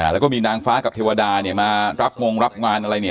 แล้วก็มีนางฟ้ากับเทวดาเนี่ยมารับงงรับงานอะไรเนี่ย